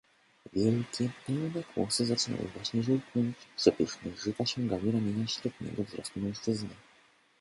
"Wielkie, pełne kłosy zaczynały właśnie żółknąć, przepyszne żyta sięgały ramienia średniego wzrostu mężczyzny."